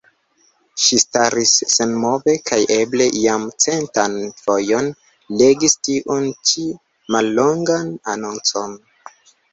Ŝi staris senmove kaj eble jam centan fojon legis tiun ĉi mallongan anoncon.